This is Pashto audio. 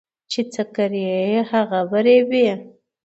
چي څه کرې هغه به رېبې